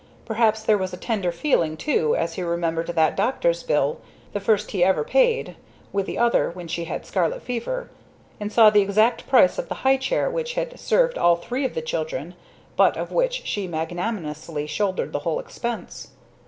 Perhaps there was a tender feeling too, as he remembered that doctor's bill the first he ever paid, with the other, when she had scarlet fever; and saw the exact price of the high chair which had served all three of the children, but of which she magnanimously shouldered the whole expense.